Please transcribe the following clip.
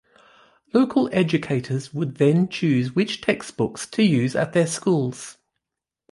Local educators would then choose which textbooks to use at their schools.